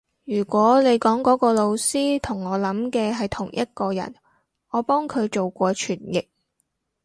如果你講嗰個老師同我諗嘅係同一個人，我幫佢做過傳譯